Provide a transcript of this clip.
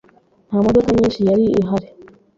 Nta modoka nyinshi yari ihari.